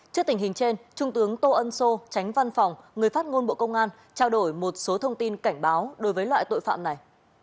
trước tình hình trên trung tướng tô ân sô tránh văn phòng người phát ngôn bộ công an trao đổi một số thông tin cảnh báo đối với loại tội phạm này